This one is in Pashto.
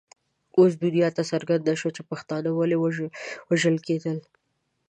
اوس دنیا ته څرګنده شوه چې پښتانه ولې وژل کېدل.